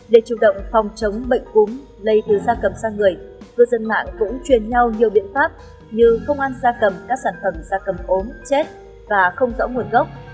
để chủ động phòng chống bệnh cúm lây từ da cầm sang người cư dân mạng cũng truyền nhau nhiều biện pháp như không ăn da cầm các sản phẩm da cầm ốm chết và không rõ nguồn gốc